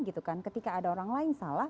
gitu kan ketika ada orang lain salah